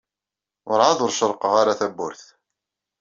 Werɛad ur cerrqeɣ ara tawwurt.